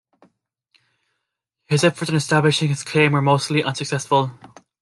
His efforts in establishing his claim were mostly unsuccessful.